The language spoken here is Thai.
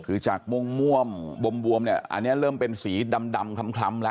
คือจากม่วงบวมเนี่ยอันนี้เริ่มเป็นสีดำคล้ำแล้ว